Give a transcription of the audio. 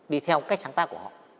đi theo cách sáng tác của họ